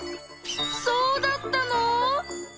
そうだったの？